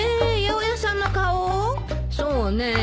そうねえ。